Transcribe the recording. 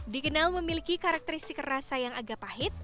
dikenal memiliki karakteristik rasa yang agak pahit